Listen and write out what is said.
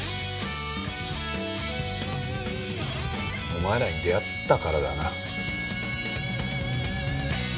お前らに出会ったからだな。